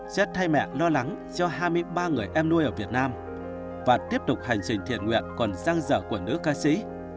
sẽ thay mẹ lo lắng cho hai mươi ba người em nuôi ở việt nam và tiếp tục hành trình thiện nguyện còn răng rở của nữ ca sĩ